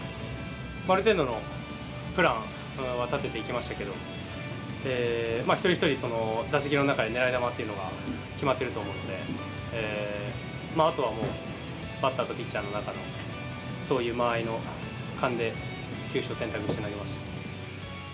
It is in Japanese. ある程度のプランは立てていきましたけど、一人一人、打席の中で狙い球というのが決まってると思うので、あとはもう、バッターとピッチャーの中のそういう間合いの勘で球種を選択して投げました。